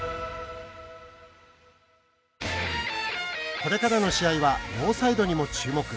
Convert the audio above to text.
これからの試合はノーサイドにも注目！